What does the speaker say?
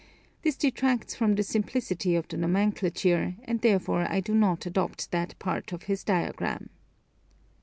This detracts from the simplicity of the nomenclature, and therefore I do not adopt that part of his diagram.